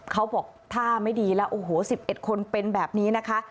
เขาบอกท่าไม่ดีแล้วโอ้โห๑๑คนเป็นแบบนี้นะคะ